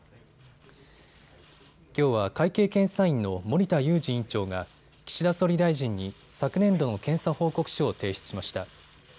きょうは会計検査院の森田祐司院長が岸田総理大臣に昨年度の検査報告書を提出しました。